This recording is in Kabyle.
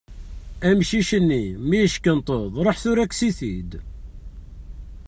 Amcic-nni, mi yeckenṭeḍ, ṛuḥ tura kkes-it-id.